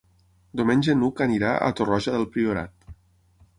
Diumenge n'Hug anirà a Torroja del Priorat.